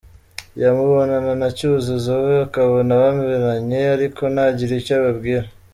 Yamubonana na Cyuzuzo we akabona baberanye ariko ntagire icyo ababwira.